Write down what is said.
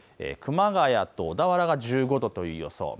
熊谷と小田原が１５度という予想。